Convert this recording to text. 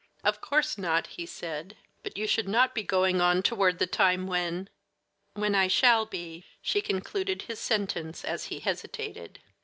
"Of course not," he said; "but you should not be going on toward the time when " "When I shall be," she concluded his sentence as he hesitated.